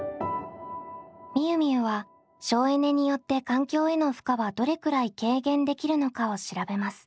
みゆみゆは省エネによって環境への負荷はどれくらい軽減できるのかを調べます。